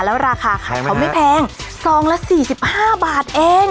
แล้วราคาเขาไม่แพง๒ละ๔๕บาทเอง